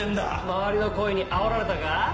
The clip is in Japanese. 周りの声に煽られたか？